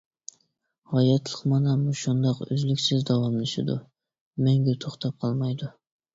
ھاياتلىق مانا مۇشۇنداق ئۈزلۈكسىز داۋاملىشىدۇ، مەڭگۈ توختاپ قالمايدۇ.